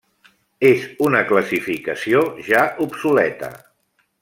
És una classificació ja obsoleta.